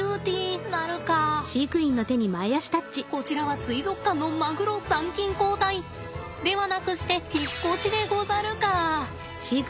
こちらは水族館のマグロ参勤交代ではなくして引っ越しでござるか。